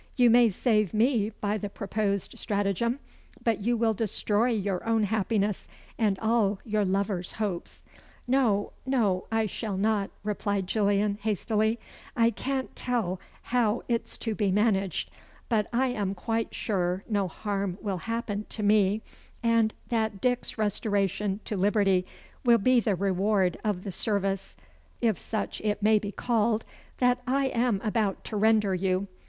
"You may save me by the proposed stratagem; but you will destroy your own happiness, and all your lover's hopes." "No, no, I shall not," replied Gillian, hastily; "I can't tell how it's to be managed, but I am quite sure no harm will happen to me, and that Dick's restoration to liberty will be the reward of the service if such it may be called that I am about to render you.